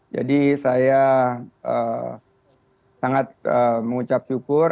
jadi saya sangat mengucap syukur